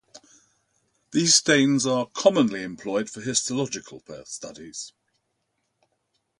These stains are commonly employed for histological studies.